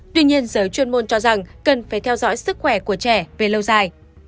tuy nhiên giới chuyên môn cho rằng cần phải theo dõi sức khỏe của trẻ về lâu dài